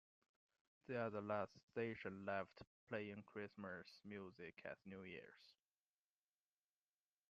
They are the last station left playing Christmas music at New Year's.